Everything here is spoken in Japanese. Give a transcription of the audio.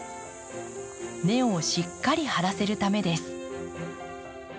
根をしっかり張らせるためです。